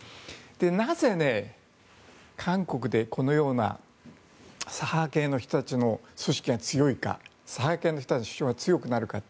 なぜ、韓国でこのような左派系の人たちの組織が強いか左派系の人たちが強くなるか。